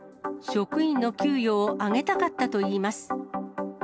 職員の給与を上げたかったといいます。